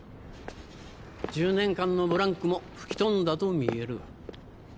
１０年間のブランクも吹き飛んだと見える。